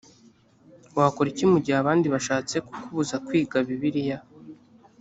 wakora iki mu gihe abandi bashatse kukubuza kwiga bibiliya